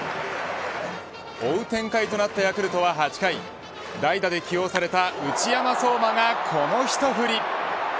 追う展開となったヤクルトは８回代打で起用された内山壮真がこのひと振り。